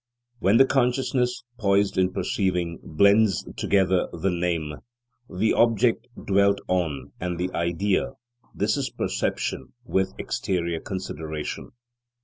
When the consciousness, poised in perceiving, blends together the name, the object dwelt on and the idea, this is perception with exterior consideration.